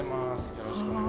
よろしくお願いします。